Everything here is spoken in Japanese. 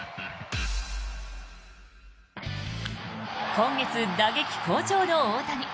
今月、打撃好調の大谷。